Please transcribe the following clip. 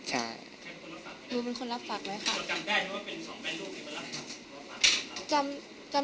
จำได้คร่าวค่ะเพราะว่าวันนั้นเขาใส่แมทด้วย